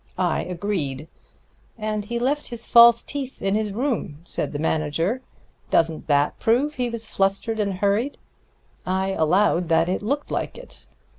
I agreed. 'And he left his false teeth in his room,' said the manager. 'Doesn't that prove he was flustered and hurried?' I allowed that it looked like it.